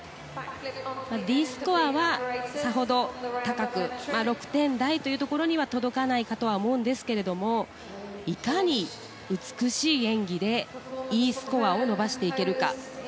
Ｄスコアはさほど高くなく６点台というところには届かないとは思うんですけれどもいかに美しい演技でＥスコアを伸ばしていけるか。